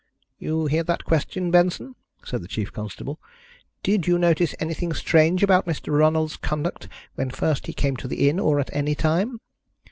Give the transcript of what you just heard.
"You hear that question, Benson?" said the chief constable. "Did you notice anything strange about Mr. Ronald's conduct when first he came to the inn or at any time?"